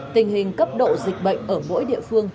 tình hình cấp độ dịch bệnh ở mỗi địa phương